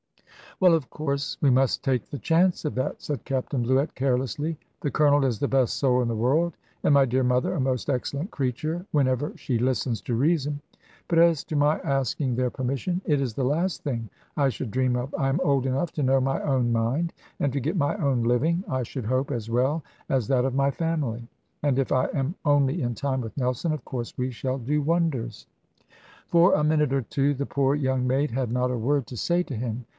"Well, of course, we must take the chance of that," said Captain Bluett, carelessly. "The Colonel is the best soul in the world, and my dear mother a most excellent creature, whenever she listens to reason. But as to my asking their permission it is the last thing I should dream of. I am old enough to know my own mind, and to get my own living, I should hope, as well as that of my family. And if I am only in time with Nelson, of course we shall do wonders." For a minute or two the poor young maid had not a word to say to him.